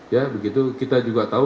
ya begitu kita juga tahu